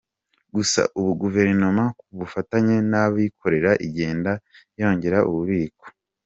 Gusa ubu Guverinoma ku bufatanye n’abikorera igenda yongera ububiko.